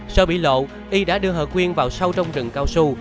sau bị lộ y đã đưa hồ quyền vào sâu trong rừng cao su